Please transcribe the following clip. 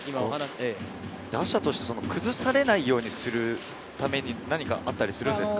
打者として崩されないようにするために何かあったりするんですか？